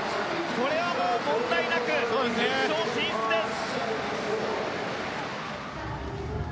これはもう問題なく決勝進出です。